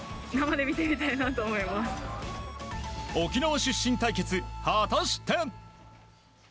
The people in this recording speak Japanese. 沖縄出身対決、果たして。